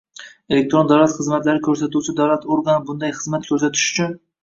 Elektron davlat xizmatlari ko‘rsatuvchi davlat organi bunday xizmat ko‘rsatish uchun